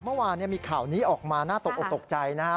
เมื่อวานมีข่าวนี้ออกมาน่าตกออกตกใจนะครับ